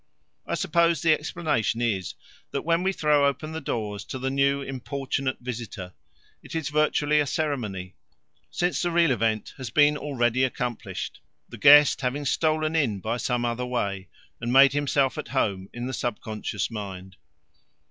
I suppose the explanation is that when we throw open the doors to the new importunate visitor, it is virtually a ceremony, since the real event has been already accomplished, the guest having stolen in by some other way and made himself at home in the sub conscious mind.